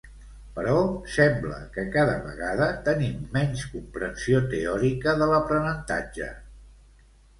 Però sembla que cada vegada tenim menys comprensió teòrica de l'aprenentatge.